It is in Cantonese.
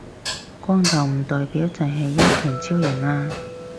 光頭唔代表就係一拳超人呀